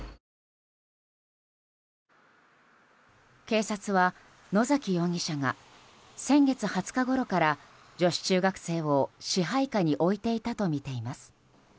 警察は野崎容疑者が先月２０日ごろから女子中学生を、支配下に置いていたとみています。